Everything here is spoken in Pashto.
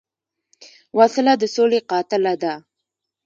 وسله د سولې قاتله ده